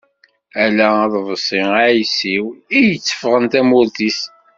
Ala aḍebsi aɛisiw, i yetteffɣen tamurt-is.